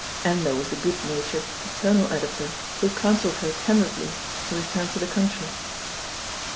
And there was the good natured, paternal Editor who counselled her candidly to return to the country.